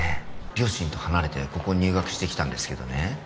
両親と離れてここに入学してきたんですけどね